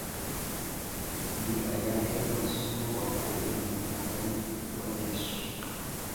Ni ayahe masomo wakuye mu mugani wa Yesu